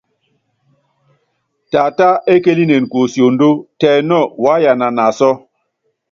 Taatá ékeélinen kuosiondó, tɛ nɔ, waá yana naasɔ́.